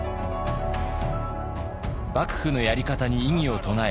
幕府のやり方に異議を唱え